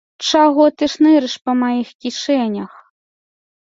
Чаго ты шнырыш па маіх кішэнях?